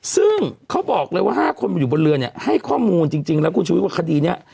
ซึ่งเขาบอกเลยว่า๕คนอยู่บนเรือเนี่ยให้ข้อมูลจริงแล้วคุณชุวิตว่าคดีนี้